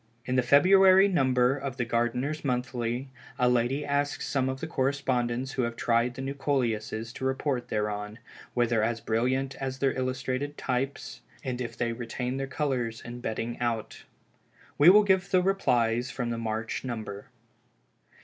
In the February number of the Gardeners Monthly, a lady asks some of the correspondents who have tried the new Coleuses, to report thereon, whether as brilliant as their illustrated types, and if they retain their colors in bedding out. We will give the replies from the March number.